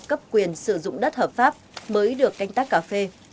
cấp quyền sử dụng đất hợp pháp mới được canh tác cà phê